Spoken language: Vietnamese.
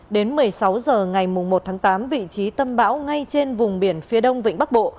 đến một mươi sáu h ngày một tháng tám vị trí tâm bão ngay trên vùng biển phía đông vịnh bắc bộ